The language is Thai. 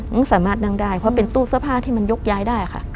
ไม่สามารถนั่งได้เพราะเป็นตู้เสื้อผ้าที่มันยกย้ายได้ค่ะ